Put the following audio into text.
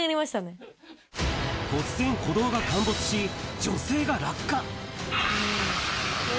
突然、歩道が陥没し、女性が落下。